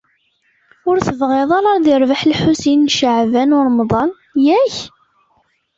Ur tebɣiḍ ara ad irbeḥ Lḥusin n Caɛban u Ṛemḍan, yak?